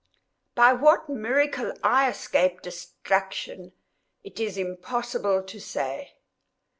By what miracle I escaped destruction, it is impossible to say.